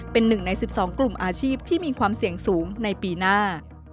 เป็นหนึ่งใน๑๒กลุ่มอาชีพที่มีความเสี่ยงสูงในปีหน้า